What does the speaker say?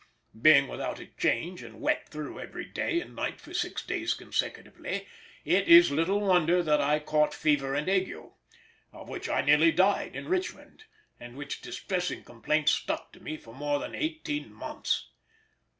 Being without a change and wet through every day and night for six days consecutively, it is little wonder that I caught fever and ague, of which I nearly died in Richmond, and which distressing complaint stuck to me for more than eighteen months.